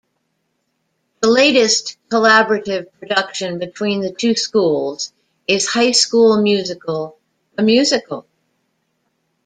The latest collaborative production between the two schools is High School Musical: The Musical!